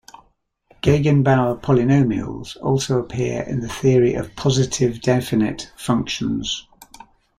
Gegenbauer polynomials also appear in the theory of Positive-definite functions.